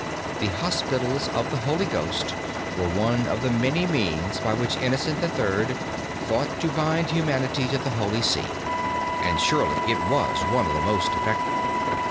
The hospitals of the Holy Ghost were one of the many means by which Innocent III. thought to bind humanity to the Holy See. And surely it was one of the most effective.